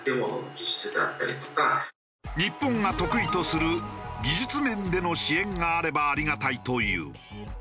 日本が得意とする技術面での支援があればありがたいという。